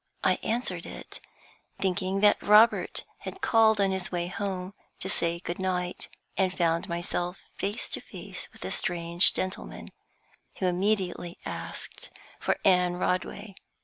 I answered it, thinking that Robert had called on his way home to say good night, and found myself face to face with a strange gentleman, who immediately asked for Anne Rodway.